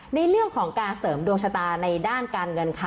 ในเรื่องของการเสริมดวงชะตาในด้านการเงินค่ะ